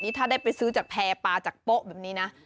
ถ้าได้ไปซื้อจากแพร่ปลาจากโป๊ะแบบนี้นะ